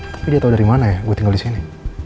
tapi dia tahu dari mana ya gue tinggal di sini